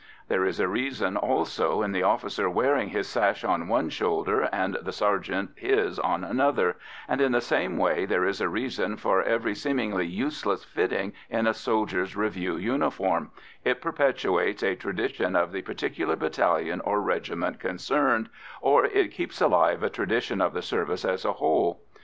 There is a reason also in the officer wearing his sash on one shoulder and the sergeant his on another, and in the same way there is a reason for every seemingly useless fitting in a soldier's review uniform it perpetuates a tradition of the particular battalion or regiment concerned, or it keeps alive a tradition of the service as a whole.